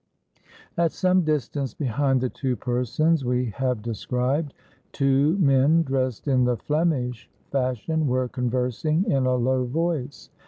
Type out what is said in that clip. At some distance behind the two persons we have de scribed, two men, dressed in the Flemish fashion, were conversing in a low voice.